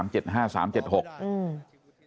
ใช่ค่ะ